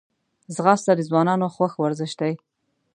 ځغاسته د ځوانانو خوښ ورزش دی